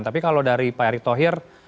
tapi kalau dari pak erick thohir